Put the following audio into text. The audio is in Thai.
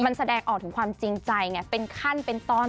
มันแสดงออกถึงความจริงใจไงเป็นขั้นเป็นตอน